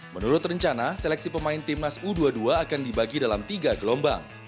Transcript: menurut rencana seleksi pemain timnas u dua puluh dua akan dibagi dalam tiga gelombang